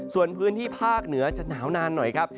ส่วนพื้นที่ภาคเหนือจะหนาวนานหน่อยครับ